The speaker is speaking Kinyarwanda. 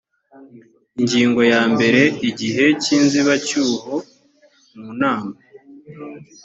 ingingo ya mbere igihe cy inzibacyuho mu nama